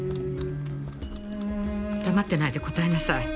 黙ってないで答えなさい。